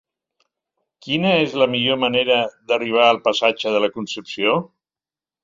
Quina és la millor manera d'arribar al passatge de la Concepció?